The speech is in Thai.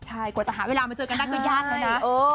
ใช่ควรจะหาเวลามาเจอกันได้กับญาติเลยนะ